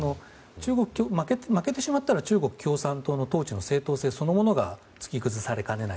負けてしまったら中国共産党の統治の正当性そのものが突き崩されかねない。